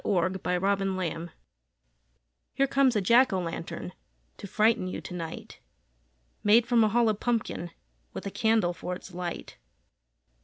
_ JACK O' LANTERN Here comes a Jack o' lantern To frighten you to night; Made from a hollow pumpkin With a candle for its light.